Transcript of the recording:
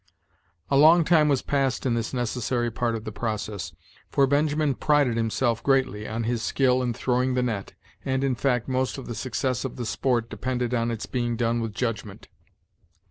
A long time was passed in this necessary part of the process, for Benjamin prided himself greatly on his skill in throwing the net, and, in fact, most of the success of the sport depended on its being done with judgment.